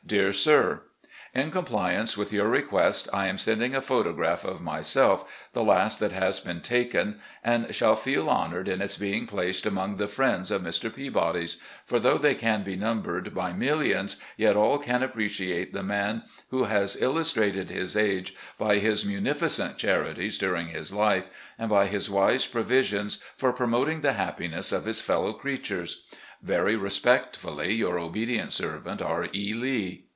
"Dear Sir: In compliance with your request, I send a photograph of myself, the last that has been taken, and shall feel honoured in its being placed among the ' friends' of Mr. Peabody, for, though they can be numbered by millions, yet all can appreciate the man who has illus trated his age by his mtmificent charities during his life, and by his wise provisions for promoting the happiness of his feUow creatures. "Very respectfully, your obedient servant, "R. E. Lee."